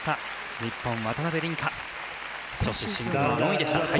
日本、渡辺倫果女子シングル４位でした。